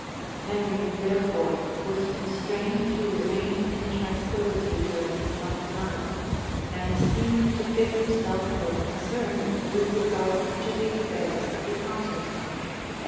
[*] Henry, therefore, was constrained to remain in tranquillity during some time; and seemed to give himself no concern with regard to the affairs of the continent.